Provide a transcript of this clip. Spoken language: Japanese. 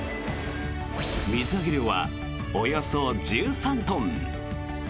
水揚げ量はおよそ１３トン。